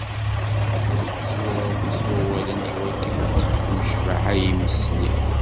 Ad tetturarem s wawalen i wakken ad tefkem ccbaḥa i yimesli.